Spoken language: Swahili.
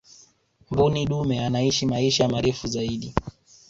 mbuni dume anaishi maisha marefu zaidi